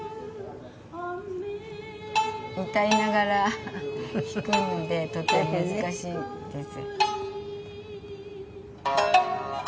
歌いながら弾くのでとても難しいです。